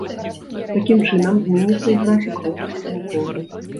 Такім чынам, зменіцца і графік руху цягнікоў.